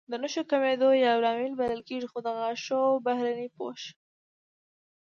د نښو کمېدو یو لامل بلل کېږي، خو د غاښونو بهرنی پوښ